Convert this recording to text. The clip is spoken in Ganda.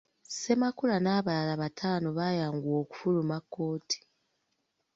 Ssemakula n’abalala bataano bayanguwa okufuluma kkooti.